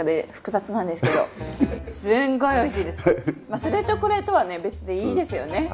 それとこれとは別でいいですよね。